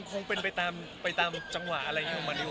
คงเป็นไปตามจังหวะอะไรอย่างนี้มาดีออก